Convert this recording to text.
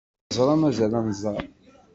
Ay neẓra, mazal ad nẓer!